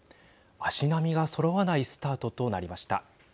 足並みがそろわないスタートとなりました。